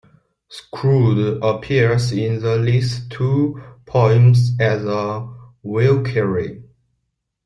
Skuld appears in at least two poems as a Valkyrie.